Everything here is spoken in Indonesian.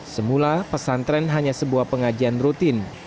semula pesantren hanya sebuah pengajian rutin